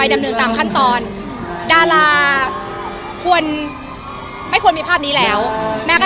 แต่ว่านักวันนี้ที่เหล่าอ่ะ